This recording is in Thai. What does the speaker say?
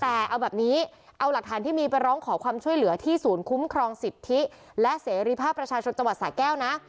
แต่เอาแบบนี้เอาหลักฐานที่มีไปร้องขอความช่วยเหลือที่ศูนย์คุ้มครองสิทธิและเสรีภาพประชาชนจังหวัดสาแก้วนะ